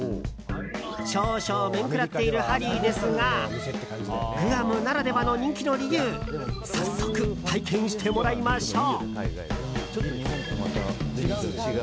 少々、面食らっているハリーですがグアムならではの人気の理由早速、体験してもらいましょう。